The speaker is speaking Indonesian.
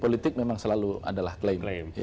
politik memang selalu adalah klaim klaim